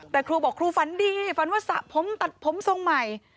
แต่ครูบอกครูฝันดีฝันว่าสระผมตัดผมทรงใหม่